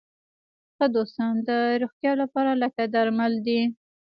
ښه دوستان د روغتیا لپاره لکه درمل دي.